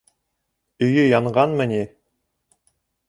Өйө янғанмы ни!